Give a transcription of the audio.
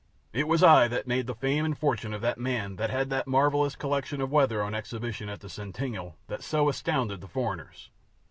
It was I that made the fame and fortune of that man that had that marvelous collection of weather on exhibition at the Centennial, that so astounded the foreigners.